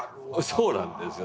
そうなんですよ。